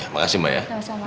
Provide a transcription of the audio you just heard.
makasih mbak ya